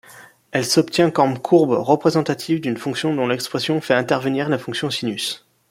Elle s'obtient comme courbe représentative d'une fonction dont l'expression fait intervenir la fonction sinus.